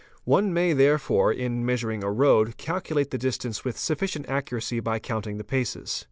One may therefore in measuring a road calculate the distance with sufficient accuracy by _ counting the paces.